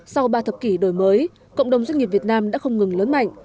sau ba thập kỷ đổi mới cộng đồng doanh nghiệp việt nam đã không ngừng lớn mạnh